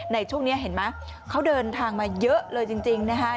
ในช่วงนี้เห็นไหมเขาเดินทางมาเยอะเลยจริงนะฮะ